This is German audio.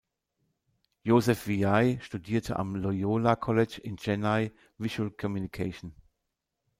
Joseph Vijay studierte am Loyola College in Chennai "Visual Communication".